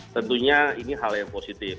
tentunya ini hal yang positif